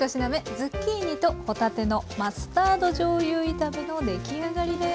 「ズッキーニと帆立てのマスタードじょうゆ炒め」の出来上がりです。